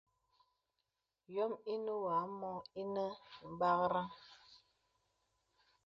Yɔm inə̀ wǒ ǎ mǒ ìnə m̀bwarə̀ŋ.